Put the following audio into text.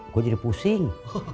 gue jadi pusing